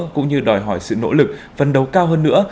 cũng như đòi hỏi sự nỗ lực phân đấu cao hơn nữa